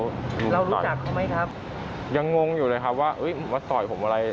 เรารู้จักเขาไหมครับยังงงอยู่เลยครับว่ามาต่อยผมอะไร